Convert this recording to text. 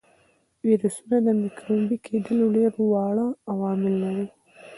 ویروسونه د مکروبي کېدلو ډېر واړه عوامل دي.